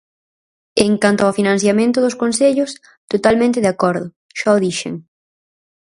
En canto ao financiamento dos concellos, totalmente de acordo, xa o dixen.